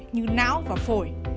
như não và phổi